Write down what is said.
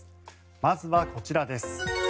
まずはこちらです。